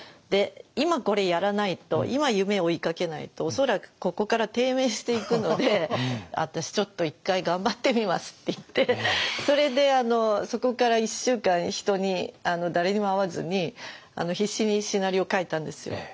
で今これやらないと今夢追いかけないと恐らくここから低迷していくので「私ちょっと１回頑張ってみます」って言ってそれであのそこから１週間人に誰にも会わずに必死にシナリオ書いたんですよ。